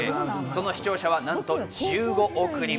その視聴者は何と１５億人。